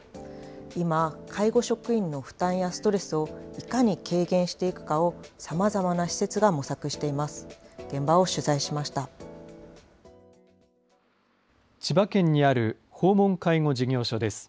今、介護職員の負担やストレスを、いかに軽減していくかをさまざまな施設が模索しています。